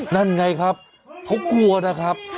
นั่นไงครับเขากลัวนะครับ